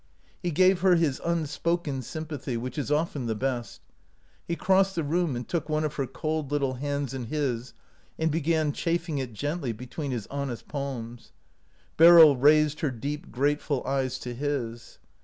He gave her his unspoken sympathy, which is often the best. He crossed the room and took one of her cold little hands in his, and began chafing it gently between his honest palms. Beryl raised her deep, grateful eyes to his.